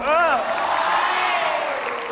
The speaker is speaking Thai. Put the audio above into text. เออ